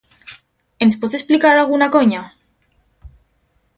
Ens pots explicar alguna conya?